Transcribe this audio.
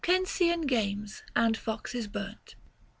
CIRCENSIAN GAMES AND FOXES BURNT.